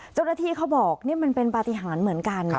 เจ้าหน้าที่เขาบอกนี่มันเป็นปฏิหารเหมือนกัน